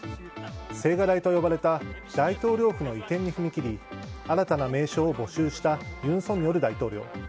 青瓦台と呼ばれた大統領府の移転に踏み切り新たな名称を募集した尹錫悦大統領。